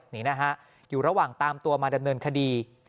นี่นะฮะอยู่ระหว่างตามตัวมาดำเนินคดี